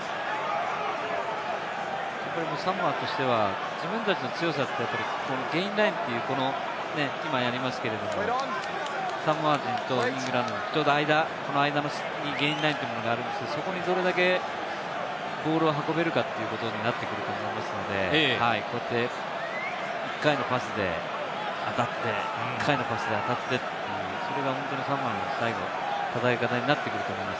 サモアとしては自分たちの強さってゲインラインっていうものがありますけど、サモア人とイングランド人、人の間に、ゲインラインというのがあるんですが、そこでどれだけボールを運べるかというところになってくると思いますので、１回のパスで当たって１回のパスで当たってという、それが本当にサモアの最後の捉え方になってくると思います。